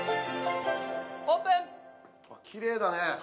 きれいだね。